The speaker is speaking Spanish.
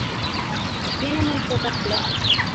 Tiene muy pocas plazas.